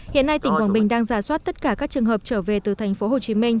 hiện nay tỉnh quảng bình đang giả soát tất cả các trường hợp trở về từ thành phố hồ chí minh